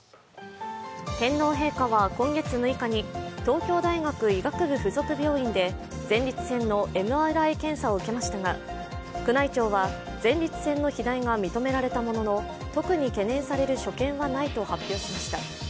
天皇陛下は今月６日に東京大学医学部附属病院で前立腺のＭＲＩ検査を受けましたが宮内庁は、前立腺の肥大が認められたものの特に懸念される所見はないと発表しました。